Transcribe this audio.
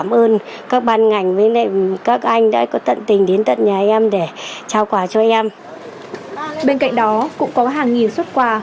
bên cạnh đó cũng có hàng nghìn xuất quà